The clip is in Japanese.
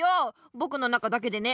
ぼくの中だけでね。